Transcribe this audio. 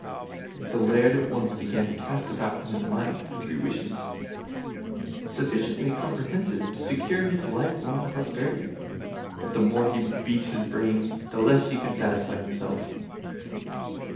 The Laird at once began to cast about in his mind for three wishes sufficiently comprehensive to secure his lifelong prosperity; but the more he beat his brains the less could he satisfy himself.